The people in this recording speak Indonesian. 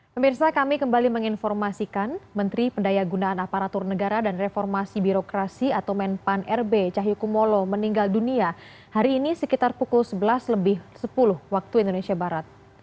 pemirsa kami kembali menginformasikan menteri pendaya gunaan aparatur negara dan reformasi birokrasi atau menpan rb cahyokumolo meninggal dunia hari ini sekitar pukul sebelas lebih sepuluh waktu indonesia barat